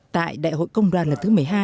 tại đại hội công đoàn lần thứ một mươi hai